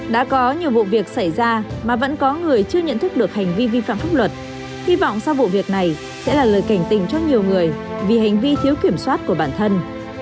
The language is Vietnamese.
đã có nhiều vụ việc xảy ra mà vẫn có người chưa nhận thức được hành vi vi phạm pháp luật hy vọng sau vụ việc này sẽ là lời cảnh tình cho nhiều người vì hành vi thiếu kiểm soát của bản thân